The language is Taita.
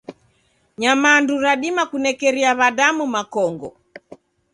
Nyamandu radima kunekeria w'adamu makongo.